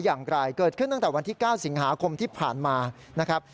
อย่างไรเกิดขึ้นตั้งแต่วันที่๙สิงหาคมที่ผ่านมานะครับ